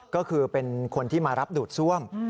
ก็คือเป็นคนที่มารับดูดซ่วม